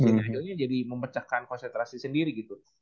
jadi akhirnya jadi memecahkan konsentrasi sendiri gitu